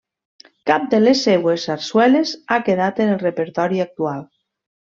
Cap de les seues sarsueles ha quedat en el repertori actual.